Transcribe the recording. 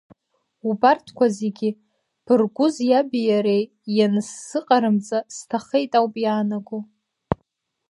Убарҭқәа зегьы Быргәыз иаби иареи иансзыҟарымҵа, сҭахеит ауп иаанаго.